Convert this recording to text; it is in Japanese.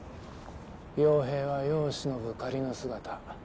傭兵は世を忍ぶ仮の姿。